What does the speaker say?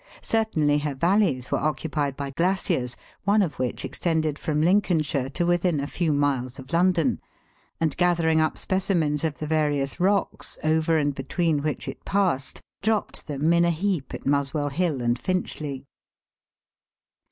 Certainly her valleys were occupied by glaciers, one of which extended from Lincolnshire to within a few miles of London, and, gathering up specimens of the various 72 THE WORLD'S LUMBER ROOM. rocks over and between which it passed, dropped them in a heap at Muswell Hill and Finchley.